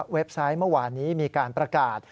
ไซต์เมื่อวานนี้มีการประกาศ